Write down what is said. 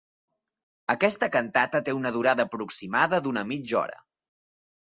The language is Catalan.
Aquesta cantata té una durada aproximada d'una mitja hora.